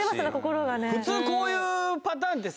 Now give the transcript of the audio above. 普通こういうパターンってさ